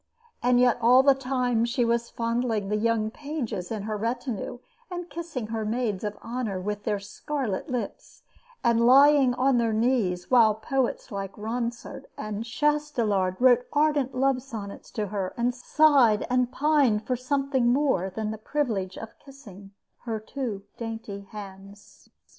And yet all the time she was fondling the young pages in her retinue and kissing her maids of honor with her scarlet lips, and lying on their knees, while poets like Ronsard and Chastelard wrote ardent love sonnets to her and sighed and pined for something more than the privilege of kissing her two dainty hands.